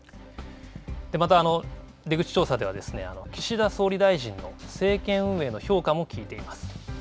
また、出口調査では岸田総理大臣の政権運営への評価も聞いています。